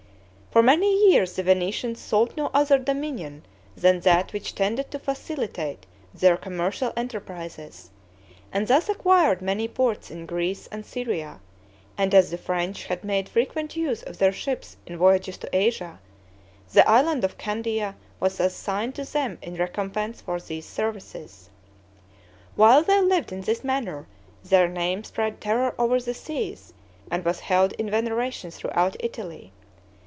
For many years the Venetians sought no other dominion than that which tended to facilitate their commercial enterprises, and thus acquired many ports in Greece and Syria; and as the French had made frequent use of their ships in voyages to Asia, the island of Candia was assigned to them in recompense for these services. While they lived in this manner, their name spread terror over the seas, and was held in veneration throughout Italy.